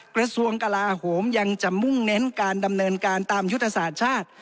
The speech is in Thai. กระทรวงกลาโหมยังจะมุ่งเน้นการดำเนินการตามยุทธศาสตร์ชาติ